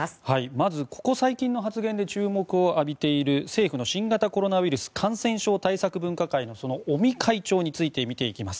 まずここ最近の発言で注目を浴びている政府の新型コロナウイルス対策専門家分科会の尾身会長について見ていきます。